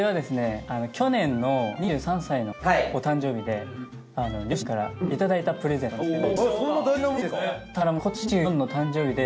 これはですね去年の２３歳のお誕生日で両親からいただいたプレゼントなんですけど。